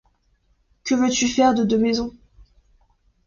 Que veux-tu faire de deux maisons ?